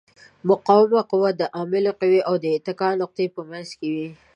مقاومه قوه د عاملې قوې او د اتکا نقطې په منځ کې وي.